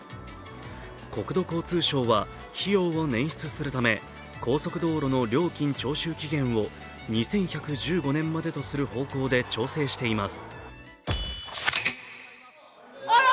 国土交通省は費用を捻出するため高速道路の料金徴収期限を２１１５年までとする方向で調整しています。